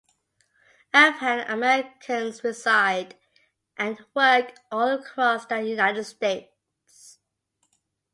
Afghan Americans reside and work all across the United States.